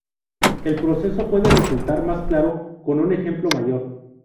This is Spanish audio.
El proceso puede resultar más claro con un ejemplo mayor.